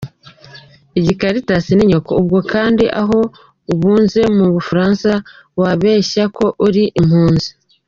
Igikaritasi ni nyoko, ubwo kandi aho ubunze mu bufaransa wabeshye ko uri impunzi!